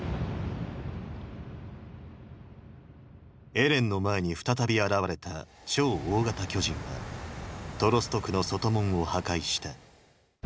エレンの前に再び現れた「超大型巨人」はトロスト区の外門を破壊した。